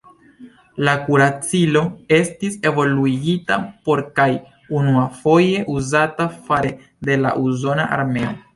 La kuracilo estis evoluigita por kaj unuafoje uzata fare de la usona armeo.